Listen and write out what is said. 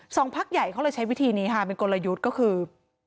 พักใหญ่เขาเลยใช้วิธีนี้ค่ะเป็นกลยุทธ์ก็คือ